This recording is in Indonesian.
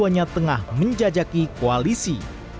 yang hanya tengah menjajaki koalisi